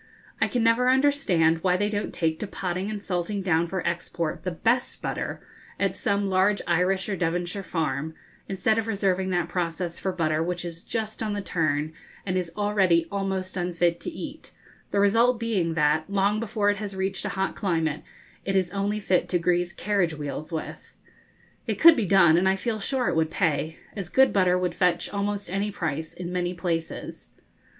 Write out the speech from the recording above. I can never understand why they don't take to potting and salting down for export the best butter, at some large Irish or Devonshire farm, instead of reserving that process for butter which is just on the turn and is already almost unfit to eat; the result being that, long before it has reached a hot climate, it is only fit to grease carriage wheels with. It could be done, and I feel sure it would pay, as good butter would fetch almost any price in many places.